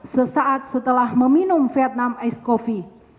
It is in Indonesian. sesaat setelah meminum vietnam ice coffee